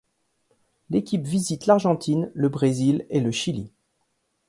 L'équipe visite l'Argentine, le Brésil et le Chili.